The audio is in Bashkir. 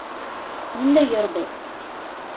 Ниндәй йыр был?